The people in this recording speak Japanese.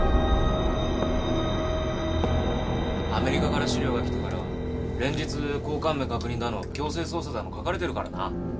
アメリカから資料が来てからは連日「高官名確認」だの「強制捜査」だの書かれてるからな。